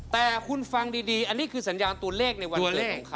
แต่คุณฟังดีอันนี้คือสัญญาณตัวเลขในวันเกิดของเขา